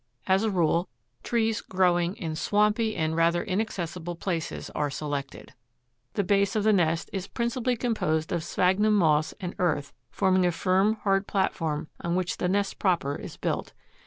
As a rule, trees growing in swampy and rather inaccessible places are selected. The base of the nest "is principally composed of sphagnum moss and earth, forming a firm, hard platform on which the nest proper is built.